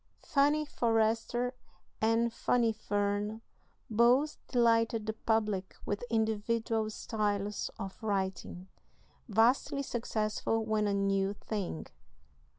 "Fanny Forrester" and "Fanny Fern" both delighted the public with individual styles of writing, vastly successful when a new thing.